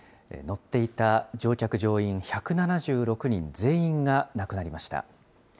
乗っていた乗客・乗員１７６人全員が亡くなりました。